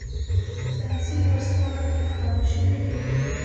ساینسي ورځپاڼه کې خپاره شوي دي.